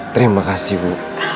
terima kasih bu